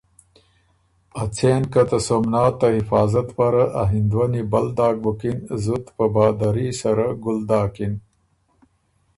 ا څېن که ته سومنات ته حفاظت پاره ا هندوَنی بل داک بُکِن زُت په بهادري سره ګُل داکِن